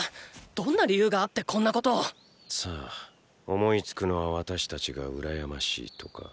どんな理由があってこんなことを⁉さぁ思いつくのは私たちが羨ましいとか。